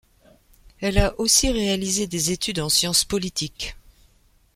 Elle a aussi réalisé des études en sciences politiques.